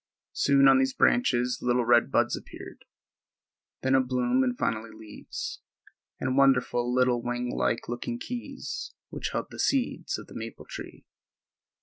Soon on these branches little red buds appeared, then a bloom and finally leaves, and wonderful little wing like looking keys which held the seeds of the maple tree.